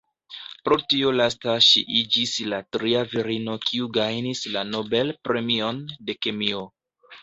Pro tio lasta ŝi iĝis la tria virino kiu gajnis la Nobel-premion de kemio.